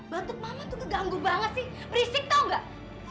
batuk mama tuh ngeganggu banget sih berisik tau gak